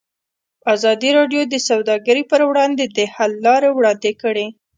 ازادي راډیو د سوداګري پر وړاندې د حل لارې وړاندې کړي.